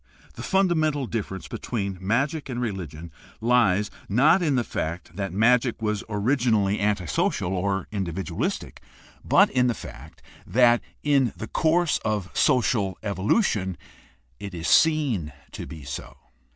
The fundamental difference between magic and reli gion lies not in the fact that magic was originally anti social 40 GUIDE TO STUDY OF CHRISTIAN RELIGION or individualistic, but in the fact that in the course of social evolution it is seen to be so.